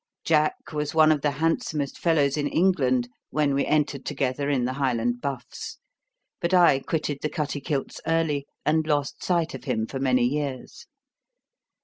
Jack was one of the handsomest fellows in England when we entered together in the Highland Buffs; but I quitted the Cuttykilts early, and lost sight of him for many years.